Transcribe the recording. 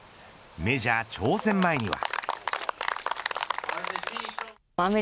メジャー挑戦前には。